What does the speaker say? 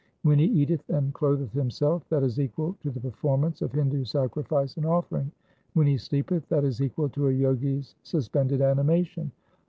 When he eateth and clotheth himself, that is equal to the performance of Hindu sacrifice and offering. When he sleepeth, that is equal to a Jogi's suspended animation.